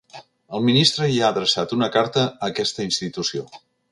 El ministre ja ha adreçat una carta a aquesta institució.